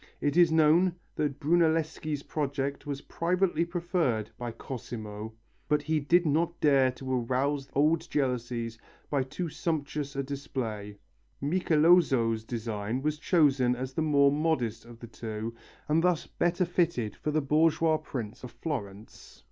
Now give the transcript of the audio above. It is known that Brunelleschi's project was privately preferred by Cosimo, but he did not dare to arouse old jealousies by too sumptuous a display. Michelozzo's design was chosen as the more modest of the two and thus better fitted for the "bourgeois prince" of Florence.